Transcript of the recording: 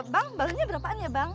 bang barunya berapaan ya bang